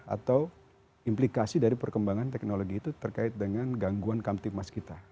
atau implikasi dari perkembangan teknologi itu terkait dengan gangguan kamtipmas kita